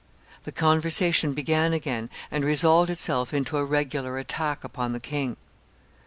The conversation began again, and resolved itself into a regular attack upon the king.